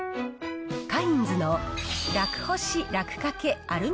カインズの楽干し楽カケアルミ